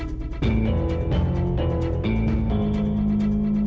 aku cuma pengen papa aku sembuh